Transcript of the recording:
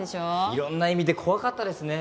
いろんな意味で怖かったですね。